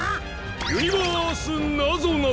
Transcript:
ユニバースなぞなぞ！